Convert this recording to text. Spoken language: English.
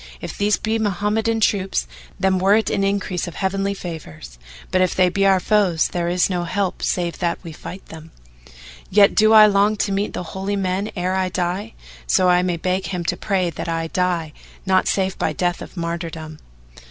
If these be Mohammedan troops, then were it an increase of heavenly favours; but, if they be our foes, there is no help save that we fight them. Yet do I long to meet the Holy Man ere I die, so I may beg him to pray that I die not save by death of martyrdom."